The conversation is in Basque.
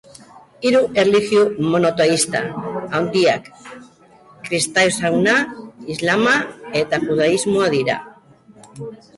Hiru erlijio monoteista handiak kristautasuna, islama eta judaismoa dira.